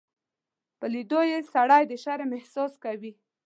په لیدو یې سړی د شرم احساس کوي.